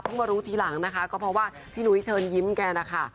มารู้ทีหลังนะคะก็เพราะว่าพี่หนุ้ยเชิญยิ้มแกนะคะ